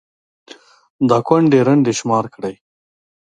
دا كونـډې رنـډې شمار كړئ